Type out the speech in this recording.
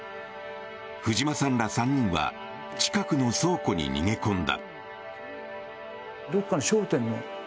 藤間さんら３人は近くの倉庫に逃げ込んだ。